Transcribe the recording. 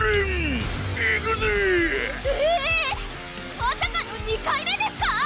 まさかの２回目ですか？